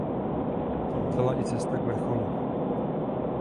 Zmizela i cesta k vrcholu.